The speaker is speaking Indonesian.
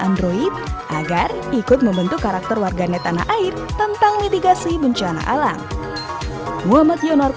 android agar ikut membentuk karakter warganet tanah air tentang mitigasi bencana alam